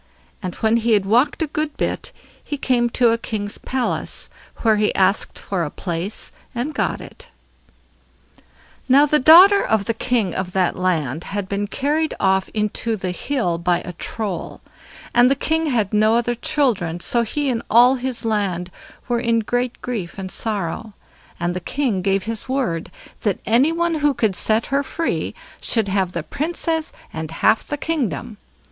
And when he had walked a good bit, he came to a king's palace, where he asked for a place, and got it. Now the daughter of the king of that land had been carried off into the hill by a Troll, and the king had no other children; so he and all his land were in great grief and sorrow, and the king gave his word that any one who could set her free should have the Princess and half the kingdom.